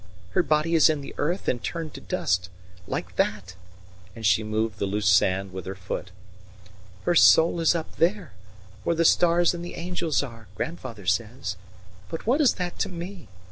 Her body is in the earth and turned to dust. Like that," and she moved the loose sand with her foot. "Her soul is up there, where the stars and the angels are, grandfather says. But what is that to me?